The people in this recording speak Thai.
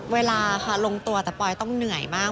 เวลาค่ะลงตัวแต่ปอยต้องเหนื่อยมาก